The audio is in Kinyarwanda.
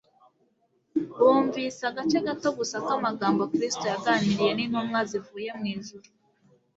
bumvise agace gato gusa k'amagambo Kristo yaganiriye n'intumwa zivuye mu ijuru.